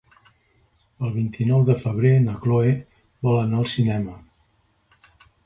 El vint-i-nou de febrer na Cloè vol anar al cinema.